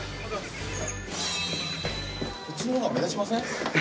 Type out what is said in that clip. こっちの方が目立ちません？